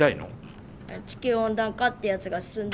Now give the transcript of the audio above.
地球温暖化ってやつが進んで。